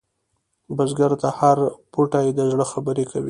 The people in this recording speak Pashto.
بزګر ته هره بوټۍ د زړه خبره کوي